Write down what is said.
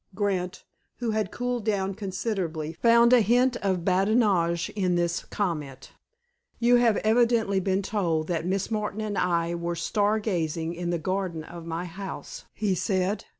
Grant, who had cooled down considerably, found a hint of badinage in this comment. "You have evidently been told that Miss Martin and I were star gazing in the garden of my house," he said.